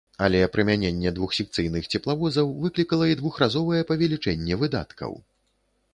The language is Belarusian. Але прымяненне двухсекцыйных цеплавозаў выклікала і двухразовае павелічэнне выдаткаў.